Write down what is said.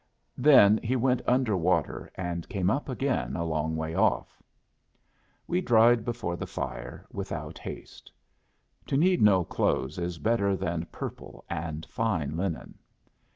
Then he went under water, and came up again a long way off. We dried before the fire, without haste. To need no clothes is better than purple and fine linen.